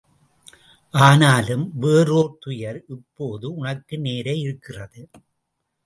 ஆனாலும் வேறோர் துயர் இப்போது உனக்கு நேர இருக்கிறது.